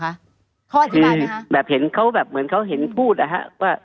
ขออธิบายไหมคะแบบเห็นเขาแบบเหมือนเขาเห็นพูดอ่ะฮะว่า